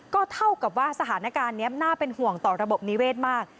ก็เท่ากับว่าสถานการณ์นี้น่าเป็นห่วงต่อระบบนิเวศมาก